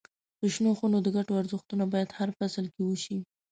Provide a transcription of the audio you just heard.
د شنو خونو د ګټو ارزونه باید هر فصل کې وشي.